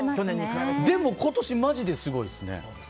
でも、今年マジですごいですね。